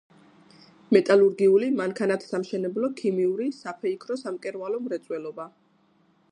მეტალურგიული, მანქანათსამშენებლო, ქიმიური, საფეიქრო, სამკერვალო მრეწველობა.